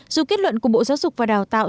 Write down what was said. dù kết luận của bộ giáo dục và đào tạo